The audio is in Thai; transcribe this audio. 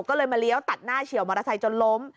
ก็เลยมาเลี้ยวตัดหน้าเฉียวมอเตอร์ไซค์จนล้ม